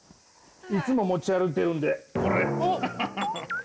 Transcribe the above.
いつも持ち歩いているんでこれ！